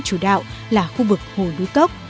chủ đạo là khu vực hồ núi cốc